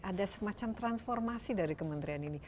ada semacam transformasi dari kementerian ini